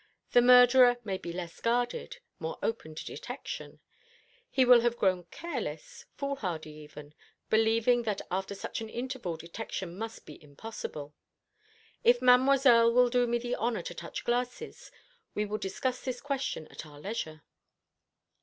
The murderer may be less guarded, more open to detection. He will have grown careless foolhardy even believing that after such an interval detection must be impossible. If Mademoiselle will do me the honour to touch glasses, we will discuss this question at our leisure."